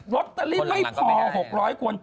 ลอตเตอรี่ไม่พอ๖๐๐คน